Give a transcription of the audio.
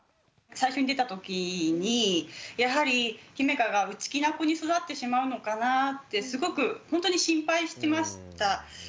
最初に出たときにやはりひめかが内気な子に育ってしまうのかなぁってすごくほんとに心配してました。